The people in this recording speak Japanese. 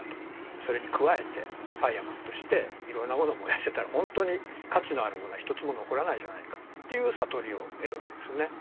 それに加えてファイアマンとしていろいろなものを燃やしてたら本当に価値のあるものは一つも残らないじゃないかっていう悟りを得るわけですよね。